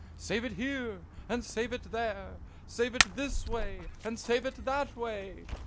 + Save it here! + and save it there! + Save it this way! + and save it that way!